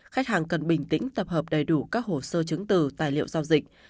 khách hàng cần bình tĩnh tập hợp đầy đủ các hồ sơ chứng từ tài liệu giao dịch